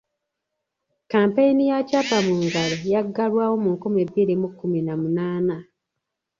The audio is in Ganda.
Kkampeyini ya Kyapa Mu Ngalo yaggalwawo mu nkumi bbiri mu kkumi na munaana.